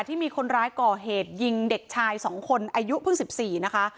ที่มีคนร้ายก่อเหตุยิงเด็กชาย๒คนอายุเพิ่ง๑๔นะคะ